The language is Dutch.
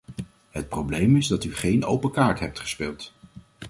Het probleem is dat u geen open kaart hebt gespeeld.